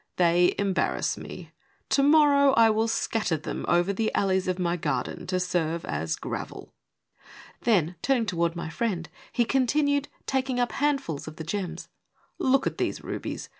" They embarrass me. To morrow I will scatter them over the alleys of my garden to serve as gravel." Then, turning towards my friend, he continued, taking np handfuls of the gems: "Look at these rubies.